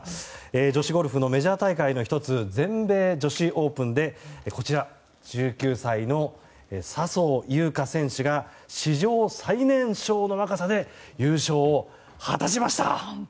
女子ゴルフのメジャー大会の１つ全米女子オープンで１９歳の笹生優花選手が史上最年少の若さで優勝を果たしました。